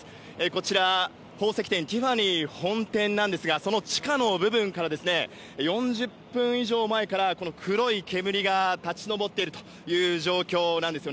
こちら、宝石店ティファニー本店なんですがその地下の部分から４０分以上前から黒い煙が立ち上っているという状況なんです。